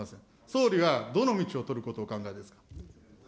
総理はどの道を取ることをお考えですか。